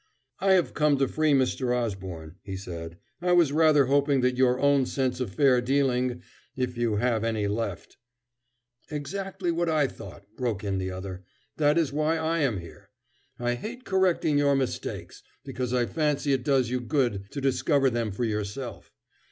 "I have come to free Mr. Osborne," he said. "I was rather hoping that your own sense of fair dealing, if you have any left " "Exactly what I thought," broke in the other. "That is why I am here. I hate correcting your mistakes, because I fancy it does you good to discover them for yourself.